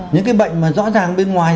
những cái bệnh mà rõ ràng bên ngoài